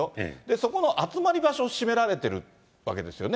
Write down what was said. そこの集まり場所を閉められてるわけですよね。